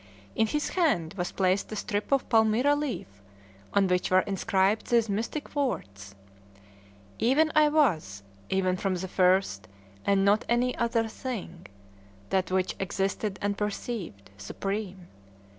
In his hand was placed a strip of palmyra leaf, on which were inscribed these mystic words: "Even I was, even from the first, and not any other thing: that which existed unperceived, supreme.